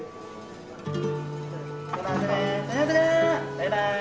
バイバイ。